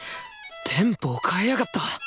テンポを変えやがった！